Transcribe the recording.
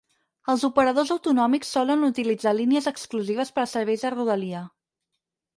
Els operadors autonòmics solen utilitzar línies exclusives per a serveis de rodalia.